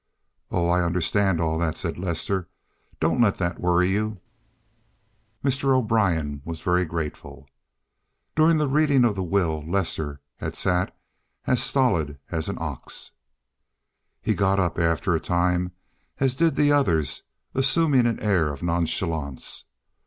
"Oh, I understand all that!" said Lester. "Don't let that worry you." Mr. O'Brien was very grateful. During the reading of the will Lester had sat as stolid as an ox. He got up after a time, as did the others, assuming an air of nonchalance.